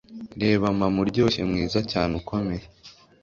Reba mama uryoshye mwiza cyane ukomeye